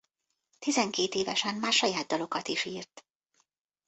Tizenkét évesen már saját dalokat is írt.